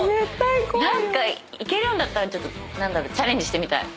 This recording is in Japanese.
何か行けるんだったらちょっとチャレンジしてみたい。